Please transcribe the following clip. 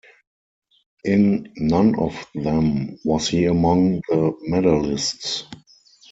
In none of them was he among the medallists.